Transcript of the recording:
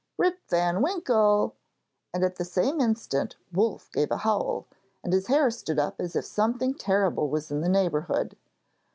Rip van Winkle!' and at the same instant Wolf gave a howl, and his hair stood up as if something terrible was in the neighbourhood.